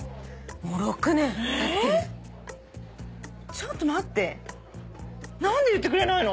ちょっと待って何で言ってくれないの？